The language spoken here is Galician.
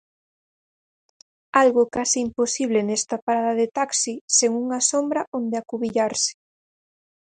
Algo case imposible nesta parada de taxi sen unha sombra onde acubillarse.